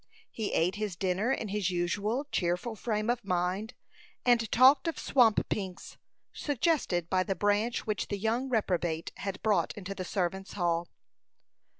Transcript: He ate his dinner in his usual cheerful frame of mind, and talked of swamp pinks, suggested by the branch which the young reprobate had brought into the servants' hall.